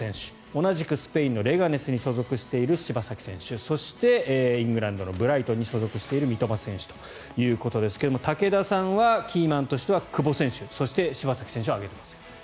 同じくスペインのレガネスに所属している柴崎選手、そしてイングランドのブライトンに所属している三笘選手ですが武田さんはキーマンとしては久保選手、そして柴崎選手を挙げていますが。